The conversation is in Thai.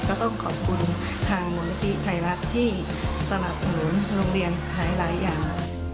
ก็ต้องขอบคุณทางมูลนิธิไทยรัฐที่สนับสนุนโรงเรียนหลายอย่าง